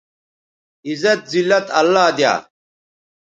عزت، زلت اللہ دیا